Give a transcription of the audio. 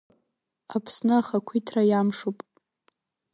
Аԥсны ахақәиҭра иамшуп.